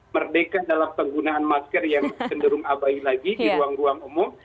merdeka dalam penggunaan masker yang cenderung abai lagi di ruang ruang umum